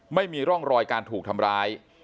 ไม่มีร่องรอยการถูกทำร้าย